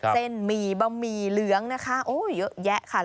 เส้นหมี่บะหมี่เหลืองนะคะโอ้เยอะแยะค่ะ